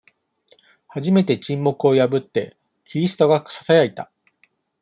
初めて、沈黙を破って、キリストがささやいた。